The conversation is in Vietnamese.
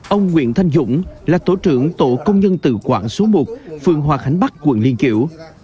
ông nguyễn thanh dũng là tổ trưởng tổ công nhân tự quản số một phường hòa khánh bắc quận liên kiểu